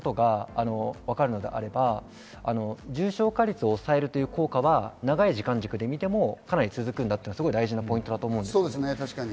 そうであれば、重症化率を抑えるという効果は長い時間軸で見てもかなり続くんだというのが大事なポイントです。